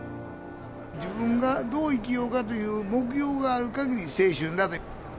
自分がどう生きようかという目標がある限り、青春だと。